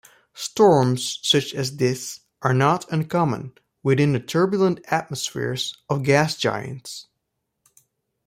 Storms such as this are not uncommon within the turbulent atmospheres of gas giants.